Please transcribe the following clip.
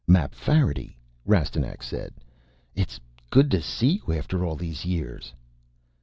"Mapfarity!" Rastignac said. "It's good to see you after all these years!"